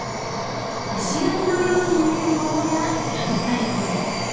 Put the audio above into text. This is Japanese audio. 石垣のように見えるものが肝細胞です。